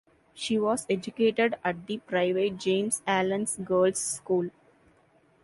She was educated at the private James Allen's Girls' School.